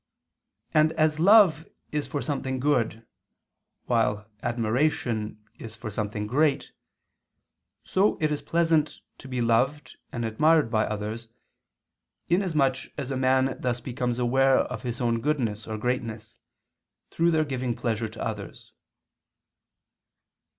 And as love is for something good, while admiration is for something great, so it is pleasant to be loved and admired by others, inasmuch as a man thus becomes aware of his own goodness or greatness, through their giving pleasure to others.